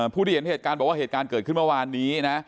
ผู้ที่เห็นเหตุการณ์บอกว่าเหตุการณ์เกิดขึ้นเมื่อวานนี้นะ